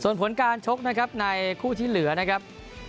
ส่วนผลการชกนะครับในคู่ที่เหลือนะครับ